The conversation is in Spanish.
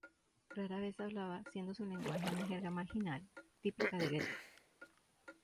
Rara vez hablaba, siendo su lenguaje una jerga marginal, típica de gueto.